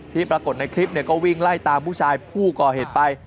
ปรากฏในคลิปก็วิ่งไล่ตามผู้ชายผู้ก่อเหตุไป